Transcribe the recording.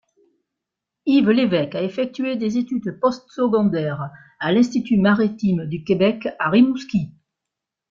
Yves Lévesque a effectué des études post-secondaires à l’Institut maritime du Québec, à Rimouski.